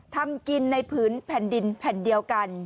ทำกินในผืนแผ่นดินแผ่นเดียวกัน